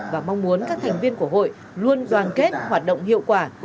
và mong muốn các thành viên của hội luôn đoàn kết hoạt động hiệu quả